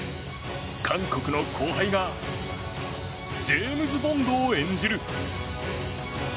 韓国の後輩がジェームズ・ボンドを演じる。